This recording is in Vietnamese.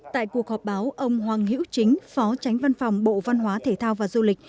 tại cuộc họp báo ông hoàng hiễu chính phó tránh văn phòng bộ văn hóa thể thao và du lịch